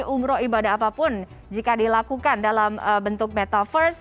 umroh ibadah apapun jika dilakukan dalam bentuk metaverse